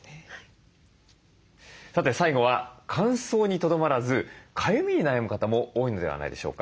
さて最後は乾燥にとどまらずかゆみに悩む方も多いのではないでしょうか。